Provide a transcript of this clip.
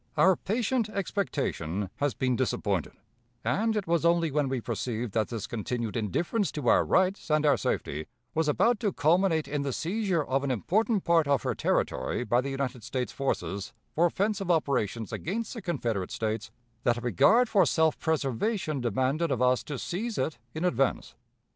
"Our patient expectation has been disappointed, and it was only when we perceived that this continued indifference to our rights and our safety was about to culminate in the seizure of an important part of her territory by the United States forces for offensive operations against the Confederate States, that a regard for self preservation demanded of us to seize it in advance.